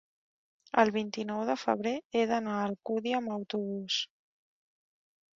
El vint-i-nou de febrer he d'anar a Alcúdia amb autobús.